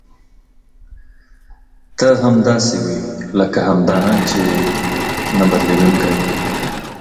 ته همداسې وې لکه همدا نن چې یې نه بدلېدونکې.